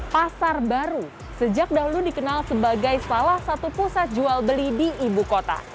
pasar baru sejak dahulu dikenal sebagai salah satu pusat jual beli di ibu kota